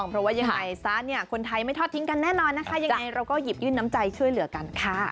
เพราะว่ายังไงซะเนี่ยคนไทยไม่ทอดทิ้งกันแน่นอนนะคะยังไงเราก็หยิบยื่นน้ำใจช่วยเหลือกันค่ะ